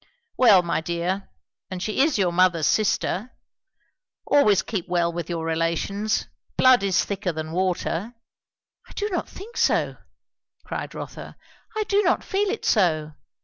"Well, my dear, and she is your mother's sister. Always keep well with your relations. Blood is thicker than water." "I do not think so!" cried Rotha. "I do not feel it so.